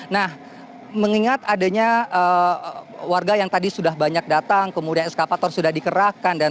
nah mengingat adanya warga yang tadi sudah banyak datang kemudian eskapator sudah dikerahkan